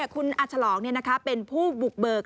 คุณอาฉลองเป็นผู้บุกเบิก